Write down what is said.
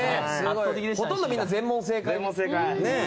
ほとんどみんな全問正解ですね。